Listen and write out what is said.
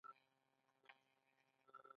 آیا د تاریخ په اوږدو کې نه وي؟